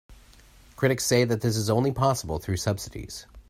Critics say that this is only possible through subsidies.